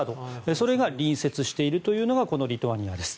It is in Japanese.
それが隣接しているというのがリトアニアです。